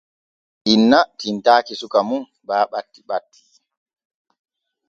Inna tinntaaki suka mum baa ɓatti ɓatti.